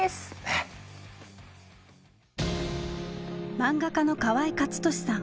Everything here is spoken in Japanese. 漫画家の河合克敏さん